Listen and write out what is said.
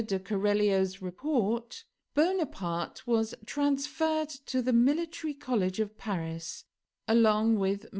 de Keralio's report, Bonaparte was transferred to the Military College of Paris, along with MM.